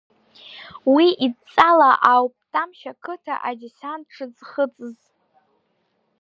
Уи идҵала ауп Тамшь ақыҭа адесант шыӡхыҵз.